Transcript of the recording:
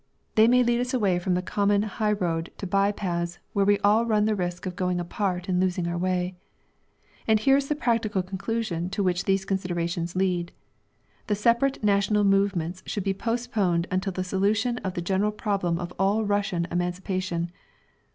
They may lead us away from the common highroad to by paths where we all run the risk of going apart and losing our way. And here is the practical conclusion to which these considerations lead. The separate national movements should be postponed until the solution of the general problem of all Russian emancipation.